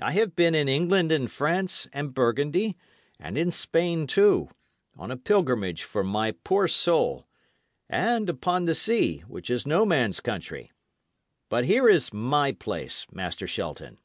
I have been in England and France and Burgundy, and in Spain, too, on a pilgrimage for my poor soul; and upon the sea, which is no man's country. But here is my place, Master Shelton.